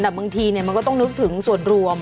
แต่บางทีมันก็ต้องนึกถึงส่วนรวม